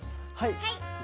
はい。